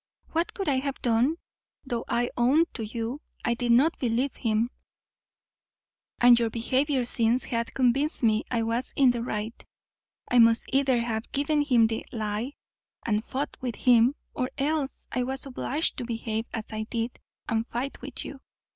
What could I have done? though I own to you I did not believe him, and your behaviour since hath convinced me I was in the right; I must either have given him the lye, and fought with him, or else I was obliged to behave as I did, and fight with you.